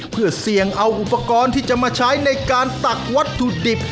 เพื่อเสี่ยงเอาอุปกรณ์ที่จะมาใช้ในการตักวัตถุดิบ